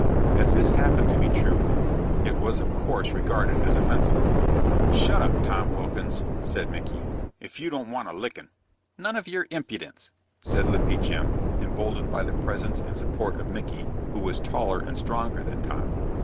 As this happened to be true, it was of course regarded as offensive. "Shut up, Tom Wilkins!" said Micky, "if you don't want a lickin'." "None of your impudence!" said Limpy Jim, emboldened by the presence and support of Micky, who was taller and stronger than Tom.